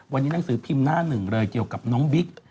วันนี้หนังสือพิมพ์หน้าหนึ่งเลยเกี่ยวกับน้องบิ๊ก